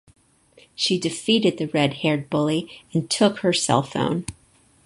She defeated the red haired bully and took her cell phone.